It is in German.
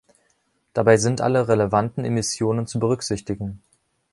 Dabei sind alle relevanten Immissionen zu berücksichtigen.